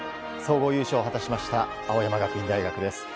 総合優勝を果たしました青山学院大学です。